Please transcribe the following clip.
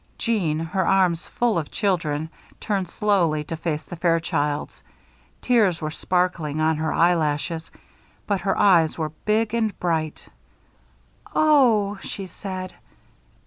Jeanne, her arms full of children, turned slowly to face the Fairchilds. Tears were sparkling on her eyelashes, but her eyes were big and bright. "Oh!" she said.